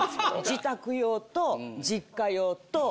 自宅用と実家用と。